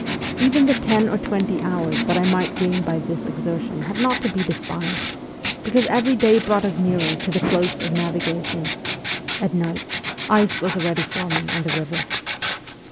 Even the ten or twenty hours that I might gain by this exertion had not to be despised, because every day brought us nearer to the close of navigation : at nights, ice was already forming on the river.